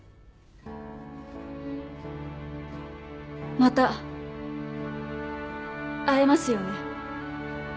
また会えますよね？